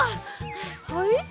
はい？